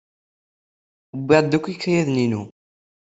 Wwiɣ-d akk ikayaden-inu.